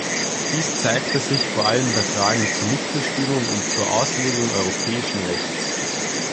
Dies zeigte sich vor allem bei Fragen zu Mitbestimmung und zur Auslegung europäischen Rechts.